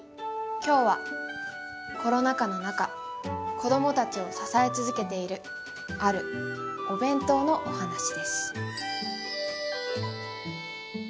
今日はコロナ禍の中子どもたちを支え続けているあるお弁当のお話です。